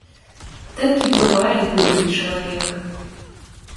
Такі бывае дурань чалавек.